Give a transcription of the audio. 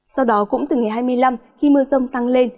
sau đó cũng từ ngày hai mươi năm khi mưa rông tăng lên